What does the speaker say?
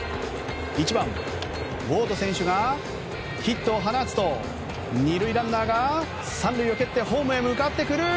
１番、ウォード選手がヒットを放つと２塁ランナーが３塁を蹴ってホームへ向かってくる。